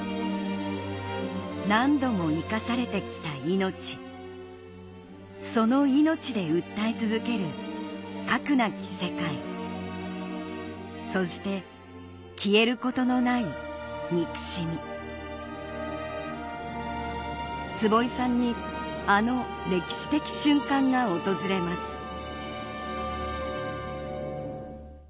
何度も生かされて来た命その命で訴え続ける核なき世界そして消えることのない憎しみ坪井さんにあの歴史的瞬間が訪れます